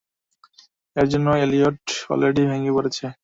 এর জন্য Elliot already ভেঙে পড়েছে।